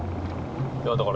いやだから。